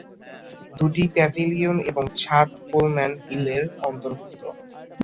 দুটি প্যাভিলিয়ন এবং ছাদ কোলম্যান হিল এর অন্তর্ভুক্ত।